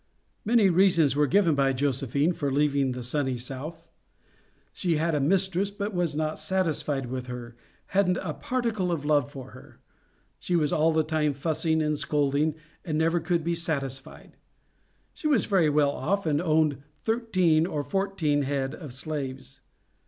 Many reasons were given by Josephine for leaving the sunny South. She had a mistress, but was not satisfied with her hadn't a particle of love for her; "she was all the time fussing and scolding, and never could be satisfied." She was very well off, and owned thirteen or fourteen head of slaves.